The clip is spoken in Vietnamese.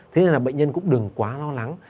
thế nên là bệnh nhân cũng đừng quá lo lắng